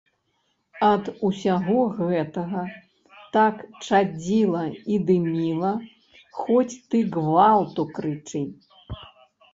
Ад усяго гэтага так чадзіла і дыміла, хоць ты гвалту крычы.